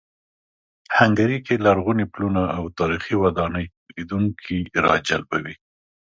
هنګري کې لرغوني پلونه او تاریخي ودانۍ لیدونکي راجلبوي.